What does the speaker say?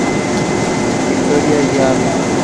Victoria y Av.